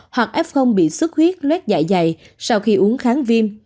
hoặc f bị sức huyết loét dại dày sau khi uống kháng viêm